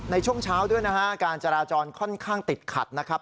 ในช่วงเช้าด้วยนะฮะการจราจรค่อนข้างติดขัดนะครับ